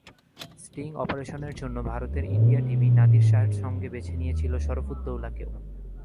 Sting অপারেশনের জন্য ভারতের ইন্ডিয়া টিভি নাদির শাহর সঙ্গে বেছে নিয়েছিল শরফুদ্দৌলাকেও।